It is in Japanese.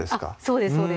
そうですそうです